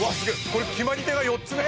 これ決まり手が４つ目！